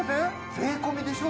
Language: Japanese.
税込みでしょ？